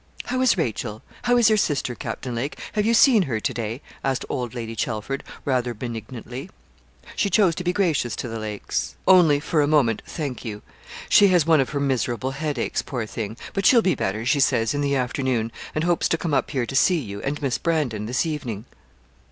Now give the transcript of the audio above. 'How is Rachel? how is your sister, Captain Lake, have you seen her to day?' asked old Lady Chelford, rather benignantly. She chose to be gracious to the Lakes. 'Only, for a moment, thank you. She has one of her miserable headaches, poor thing; but she'll be better, she says, in the afternoon, and hopes to come up here to see you, and Miss Brandon, this evening.'